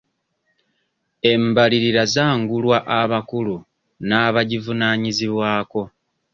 Embalirira z'angulwa abakulu n'abagivunaanyizibwako.